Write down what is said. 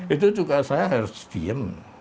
itu juga saya harus diem